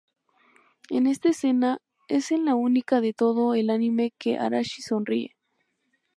En esta escena es en la única de todo el anime que Arashi sonríe.